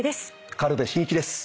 軽部真一です。